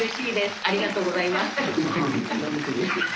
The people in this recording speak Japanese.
ありがとうございます。